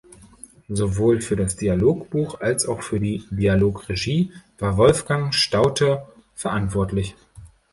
Sowohl für das Dialogbuch als auch für die Dialogregie war Wolfgang Staudte verantwortlich.